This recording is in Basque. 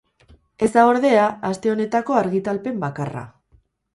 Ez da, ordea, aste honetako argitalpen bakarra.